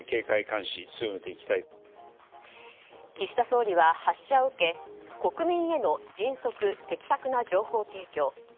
岸田総理は発射を受け国民への迅速・的確な情報提供